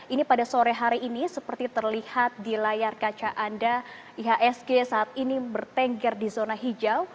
ini pada sore hari ini seperti terlihat di layar kaca anda ihsg saat ini bertengger di zona hijau